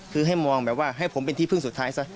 คือให้มองแบบว่าให้ผมเป็นที่พึ่งสุดท้ายซะ